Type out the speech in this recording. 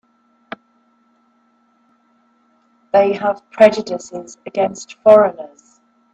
They have prejudices against foreigners.